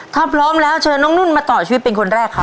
ถ้าพร้อมแล้วเชิญน้องนุ่นมาต่อชีวิตเป็นคนแรกครับ